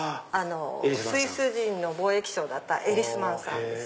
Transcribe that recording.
スイス人の貿易商だったエリスマンさんです。